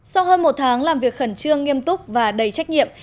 sau hơn một tháng làm việc khẩn trương nghiêm túc và đầy trách nhiệm